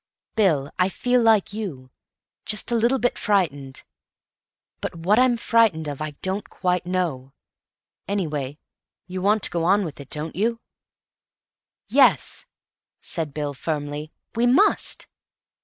Bill, I feel like you—just a little bit frightened. But what I'm frightened of I don't quite know. Anyway, you want to go on with it, don't you?" "Yes," said Bill firmly. "We must."